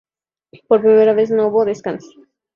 Por primera vez no hubo descensos.